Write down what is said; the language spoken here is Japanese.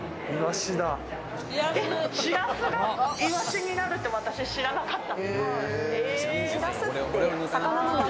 シラスがイワシになるって知らなかった。